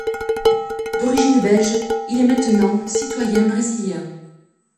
D’origine belge, il est maintenant citoyen brésilien.